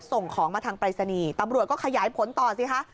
ส่งของมาทางปรายศนีย์ตำรวจก็ขยายผลต่อสิคะ